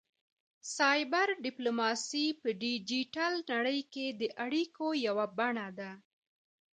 سایبر ډیپلوماسي په ډیجیټل نړۍ کې د اړیکو یوه بڼه ده